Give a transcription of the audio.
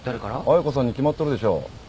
彩佳さんに決まっとるでしょう。